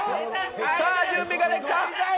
さあ準備ができた。